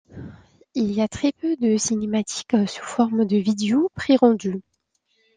Il y a très peu de cinématiques sous forme de vidéos pré-rendues.